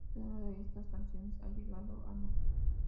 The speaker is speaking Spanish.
Cada una de estas canciones ha llegado a no.